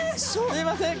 すいません。